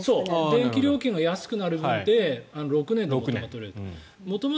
電気料金が安くなる分で６年で元が取れると。